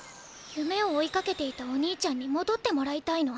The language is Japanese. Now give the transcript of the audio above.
ゆめを追いかけていたお兄ちゃんにもどってもらいたいの。